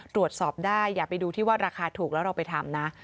ตรวจสอบได้อย่าไปดูที่ว่าราคาถูกแล้วเราไปทำนะ